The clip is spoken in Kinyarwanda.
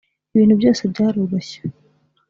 ibintu byose byaroroshye